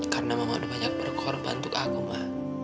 karena mama udah banyak berkorban untuk aku ma